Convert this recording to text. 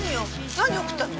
何を送ったの？